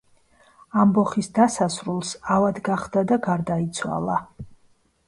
ამბოხის დასასრულს, ავად გახდა და გარდაიცვალა.